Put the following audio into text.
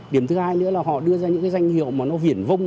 điểm thứ hai nữa là họ đưa ra những danh hiệu mà nó viển vông